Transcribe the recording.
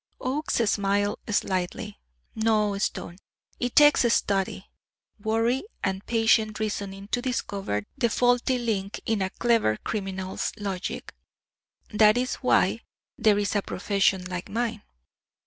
Oakes smiled slightly. "No, Stone; it takes study, worry and patient reasoning to discover the faulty link in a clever criminal's logic that is why there is a profession like mine."